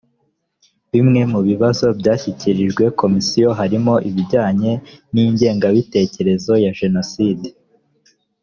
bimwe mu bibazo byashyikirijwe komisiyo harimo ibijyanye n ingengabitekerezo ya jenoside